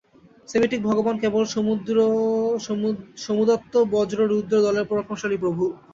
Semitic ভগবান কেবল সমুদ্যতবজ্র রুদ্র, দলের পরাক্রমশালী প্রভু।